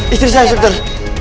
istri saya suster